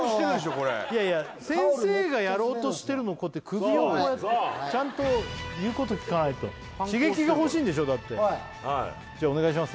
これいやいや先生がやろうとしてるのをこうやって首をこうやってちゃんと言うこと聞かないと刺激が欲しいんでしょだってはいお願いします